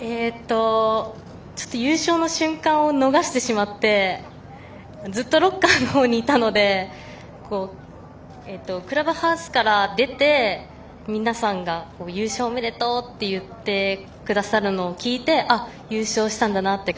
優勝の瞬間を逃してしまってずっとロッカーの方にいたのでクラブハウスから出て皆さんが優勝おめでとうって言ってくださるのを聞いて